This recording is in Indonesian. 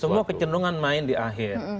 semua kecendungan main di akhir